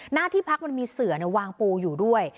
หน้าที่พักมันมีเสือวางปูอยู่ด้วย